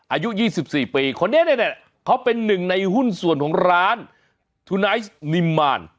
อายุ๒๔ปีคนนี้เขาเป็นหนึ่งในหุ้นส่วนของร้านทูไนซ์นิมมาร